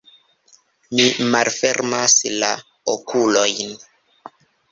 Mi malfermas la okulojn.